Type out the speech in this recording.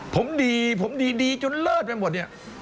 ผมดีผมดีจนเลิศไปหมดเนี่ย